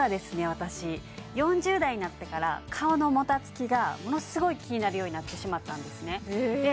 私４０代になってから顔のもたつきがものすごい気になるようになってしまったんですねで